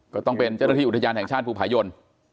ก็ต้องเป็นเจ้าหน้าที่อุทยานแห่งชาติภูผายน